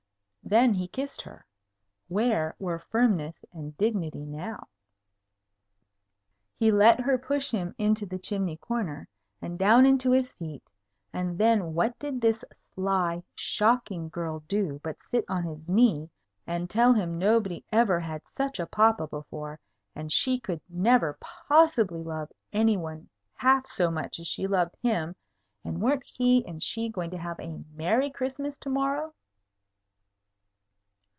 Then he kissed her. Where were firmness and dignity now? He let her push him into the chimney corner, and down into a seat; and then what did this sly, shocking girl do but sit on his knee and tell him nobody ever had such a papa before, and she could never possibly love any one half so much as she loved him, and weren't he and she going to have a merry Christmas to morrow?